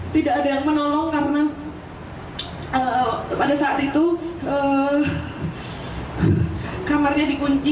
tidak ada yang menolong karena pada saat itu kamarnya dikunci